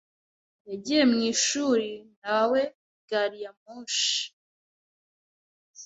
yagiye mwishuri nawe gari ya moshi.